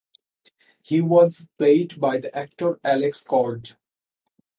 He was played by the actor Alex Cord.